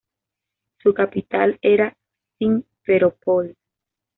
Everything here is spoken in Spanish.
Su capital era Simferópol.